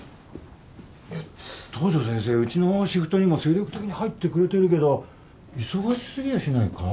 東上先生うちのシフトにも精力的に入ってくれてるけど忙し過ぎやしないか？